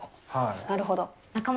なるほど。